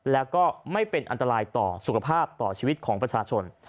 แล้วก็ไม่เป็นอันตรายต่อสุขภาพต่อชีวิตของประชาชน